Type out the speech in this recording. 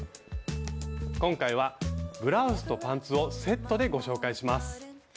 今回はブラウスとパンツをセットでご紹介します。